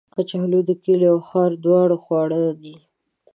کچالو د کلي او ښار دواړو خواړه دي